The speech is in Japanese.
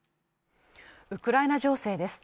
ウクライナ情勢です